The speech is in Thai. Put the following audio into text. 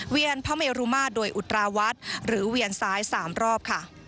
พระเมรุมาตรโดยอุตราวัดหรือเวียนซ้าย๓รอบค่ะ